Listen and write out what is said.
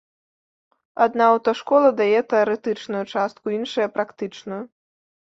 Адна аўташкола дае тэарэтычную частку, іншая практычную.